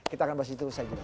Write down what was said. kita akan bahas itu saja